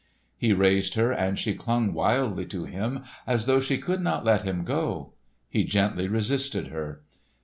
He raised her and she clung wildly to him as though she could not let him go. He gently resisted her.